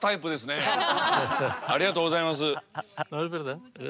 ありがとうございます。